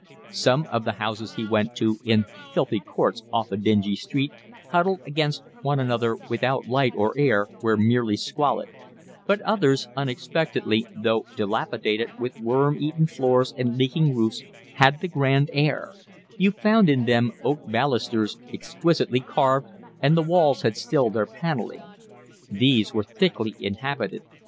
Some of the houses he went to, in filthy courts off a dingy street, huddled against one another without light or air, were merely squalid; but others, unexpectedly, though dilapidated, with worm eaten floors and leaking roofs, had the grand air: you found in them oak balusters exquisitely carved, and the walls had still their panelling. These were thickly inhabited.